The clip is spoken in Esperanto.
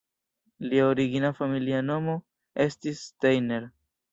Lia origina familia nomo estis Steiner.